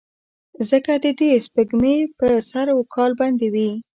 ځکه دده سپېږمې به سر وکال بندې وې.